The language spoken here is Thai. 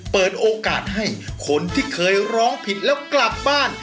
เปิดโอกาสให้คนที่เคยร้องผิดแล้วกลับบ้าน